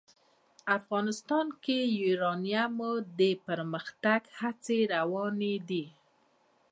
افغانستان کې د یورانیم د پرمختګ هڅې روانې دي.